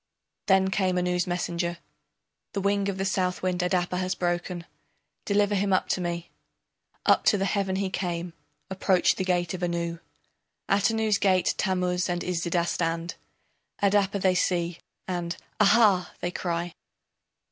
Then came Anu's messenger: The wing of the Southwind Adapa has broken, Deliver him up to me. Up to heaven he came, approached the gate of Anu. At Anu's gate Tammuz and Iszida stand, Adapa they see, and "Aha!" they cry.